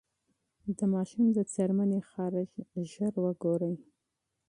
د ماشوم د پوستکي خارښت ژر وګورئ.